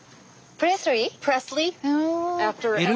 プレスリー。